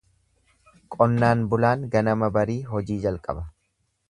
Qonnaan bulaan ganama barii hojii jalqaba.